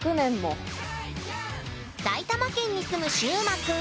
埼玉県に住むしゅうまくん。